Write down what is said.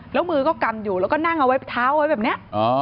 แล้วมือก็กำอยู่แล้วก็นั่งเอาไว้เท้าไว้แบบนี้